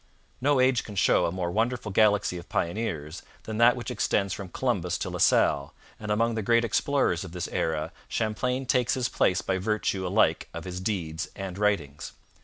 No age can show a more wonderful galaxy of pioneers than that which extends from Columbus to La Salle, and among the great explorers of this era Champlain takes his place by virtue alike of his deeds and writings.